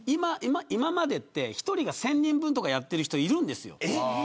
今までって１人が１０００人分とかやっているんですよ。